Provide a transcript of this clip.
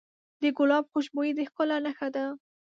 د ګلاب خوشبويي د ښکلا نښه ده.